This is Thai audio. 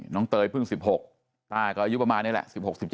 เตยเพิ่ง๑๖ต้าก็อายุประมาณนี้แหละ๑๖๑๗